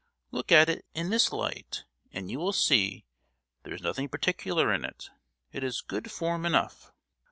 Look at it in this light, and you will see there is nothing particular in it; it is good 'form' enough!"